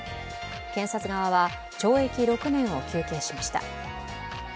検察側は懲役６年を求刑しました。